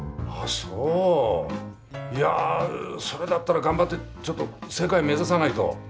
いやそれだったら頑張ってちょっと世界目指さないと！